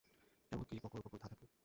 এমনি বকরবকর, ধাঁধা, কোড।